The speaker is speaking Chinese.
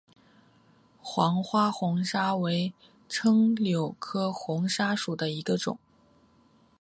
黄花红砂为柽柳科红砂属下的一个种。